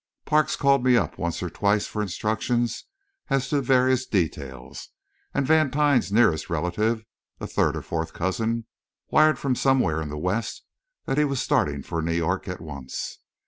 Parks called me up once or twice for instructions as to various details, and Vantine's nearest relative, a third or fourth cousin, wired from somewhere in the west that he was starting for New York at once.